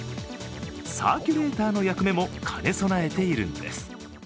サーキュレーターの役目も兼ね備えているんです。